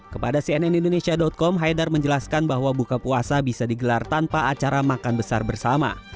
kepada cnn indonesia com haidar menjelaskan bahwa buka puasa bisa digelar tanpa acara makan besar bersama